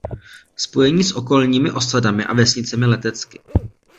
Spojení s okolními osadami a vesnicemi letecky.